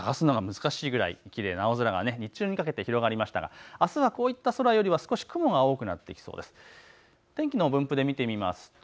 東京都心のけさの様子、雲を探すのが難しいくらい、きれいな青空が日中にかけて広がりましたが、あすはこういった空よりは少し雲が多くなってきそうです。